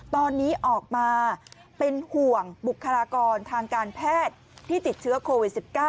ตอนนี้ออกมาเป็นห่วงบุคลากรทางการแพทย์ที่ติดเชื้อโควิด๑๙